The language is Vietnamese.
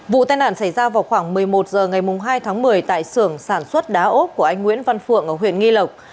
vụ tai nạn xảy ra vào khoảng một mươi một h ngày hai tháng một mươi tại sưởng sản xuất đá ốp của anh nguyễn văn phượng ở huyện nghi lộc